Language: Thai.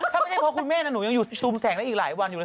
ถ้าไม่ใช่เพราะคุณแม่หนูยังอยู่ซูมแสงได้อีกหลายวันอยู่เลย